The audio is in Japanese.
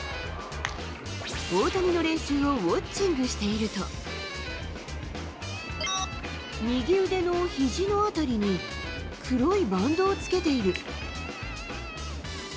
大谷の練習をウォッチングしていると、右腕のひじのあたりに、黒いバンドをつけている。